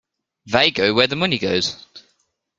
They go where the money goes.